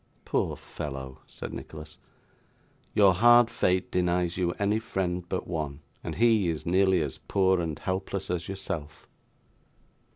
'Poor fellow!' said Nicholas, 'your hard fate denies you any friend but one, and he is nearly as poor and helpless as yourself.